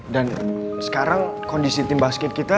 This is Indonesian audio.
dan sekarang kondisi tim basket kita